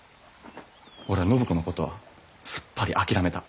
俺は暢子のことはすっぱり諦めた。